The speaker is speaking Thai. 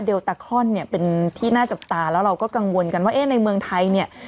ตาคอนเนี่ยเป็นที่น่าจับตาแล้วเราก็กังวลกันว่าเอ๊ะในเมืองไทยเนี่ย